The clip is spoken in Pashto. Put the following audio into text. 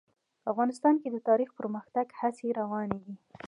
افغانستان کې د تاریخ د پرمختګ هڅې روانې دي.